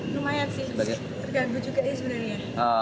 lumayan sih terganggu juga sih sebenarnya